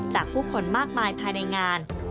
จากผู้คนมากมายภายในงาน